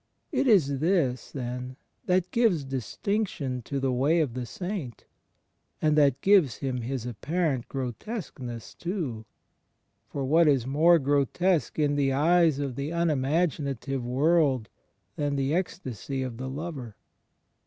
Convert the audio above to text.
It is this, then, that gives distinction to the way of the Saint — and that gives him his apparent grotesqueness, too — (for what is more grotesque in the eyes of the imimagina tive world than the ecstasy of the lover?)